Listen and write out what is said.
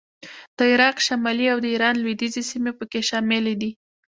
د عراق شمالي او د ایران لوېدیځې سیمې په کې شاملې دي